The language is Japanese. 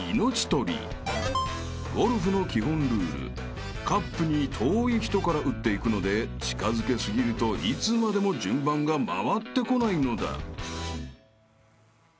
［ゴルフの基本ルールカップに遠い人から打っていくので近づけ過ぎるといつまでも順番が回ってこないのだ］